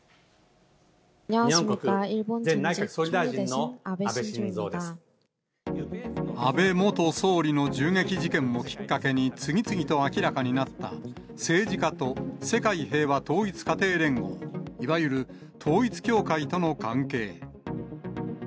日本国前内閣総理大臣の安倍安倍元総理の銃撃事件をきっかけに、次々と明らかになった、政治家と世界平和統一家庭連合、いわゆる統一教会との関係。